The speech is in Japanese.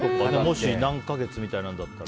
もし何か月みたいなのだったら。